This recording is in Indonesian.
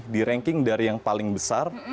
direnking dari yang paling besar